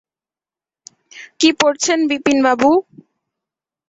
কী পড়ছেন বিপিনবাবু?